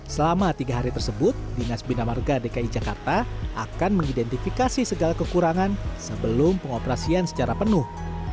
selama tiga hari tersebut dinas bina marga dki jakarta akan mengidentifikasi segala kekurangan sebelum pengoperasian secara penuh